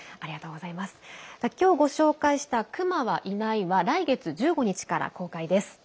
今日ご紹介した「熊は、いない」は来月１５日から公開です。